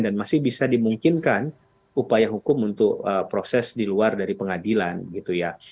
dan masih bisa dimungkinkan upaya hukum untuk proses di luar dari pengadilan gitu ya